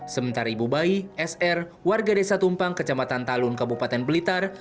sementara ibu bayi sr warga desa tumpang kecamatan talun kabupaten blitar